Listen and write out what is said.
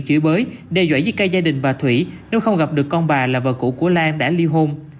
bị chữa bới đe dọa giết cây gia đình bà thủy nếu không gặp được con bà là vợ cũ của lan đã li hôn